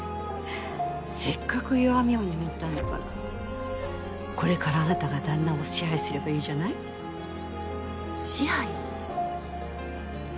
せっかく弱みを握ったんだからこれからあなたが旦那を支配すればいいじゃない支配？